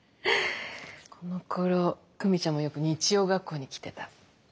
このころ久美ちゃんもよく日曜学校に来てた。